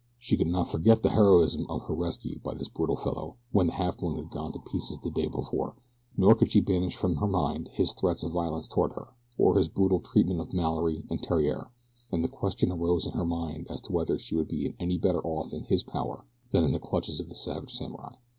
She could not forget the heroism of her rescue by this brutal fellow when the Halfmoon had gone to pieces the day before, nor could she banish from her mind his threats of violence toward her, or his brutal treatment of Mallory and Theriere. And the question arose in her mind as to whether she would be any better off in his power than in the clutches of the savage samurai.